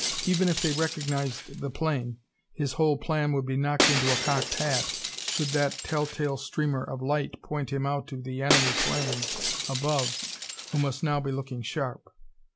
Even if they recognized the plane, his whole plan would be knocked into a cocked hat should that telltale streamer of light point him out to the enemy planes above who must now be looking sharp.